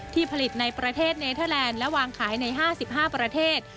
ผลิตในประเทศเนเทอร์แลนด์และวางขายใน๕๕ประเทศ